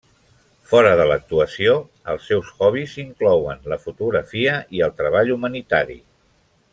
Fora de l'actuació, els seus hobbies inclouen la fotografia i el treball humanitari.